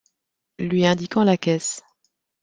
Lui indiquant la caisse.